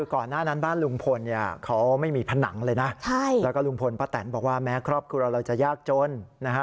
ก่อนหน้านั้นบ้านลุงพลเนี่ยเขาไม่มีผนังเลยนะแล้วก็ลุงพลป้าแตนบอกว่าแม้ครอบครัวเราจะยากจนนะฮะ